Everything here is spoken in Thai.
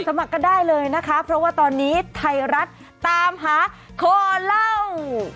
สมัครกันได้เลยนะคะเพราะว่าตอนนี้ไทยรัฐตามหาคอเล่า